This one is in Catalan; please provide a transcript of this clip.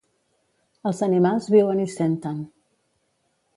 Els animals viuen i senten.